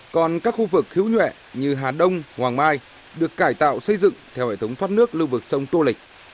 còn các khu vực hữu nhuệ như hà đông hoàng mai được cải tạo xây dựng theo hệ thống thoát nước lưu vực sông tô lịch